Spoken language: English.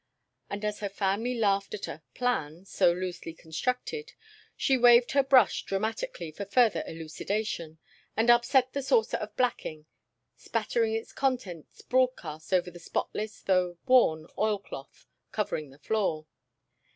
And as her family laughed at a "plan" so very loosely constructed, she waved her brush dramatically for further elucidation, and upset the saucer of blacking, spattering its contents broadcast over the spotless, though worn, oil cloth covering the floor.